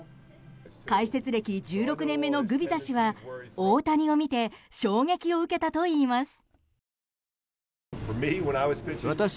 解説歴１６年目のグビザ氏は大谷を見て衝撃を受けたといいます。